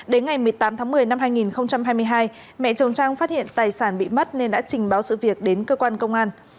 đến ngày một mươi tám tháng một mươi năm hai nghìn hai mươi hai mẹ chồng trang phát hiện tài sản bị mất nên đã trình báo sự việc đến cơ quan công an